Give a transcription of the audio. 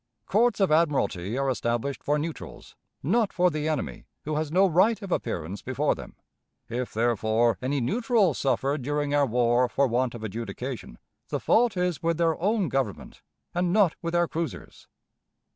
Courts of admiralty are established for neutrals; not for the enemy, who has no right of appearance before them. If, therefore, any neutrals suffered during our war for want of adjudication, the fault is with their own Government, and not with our cruisers.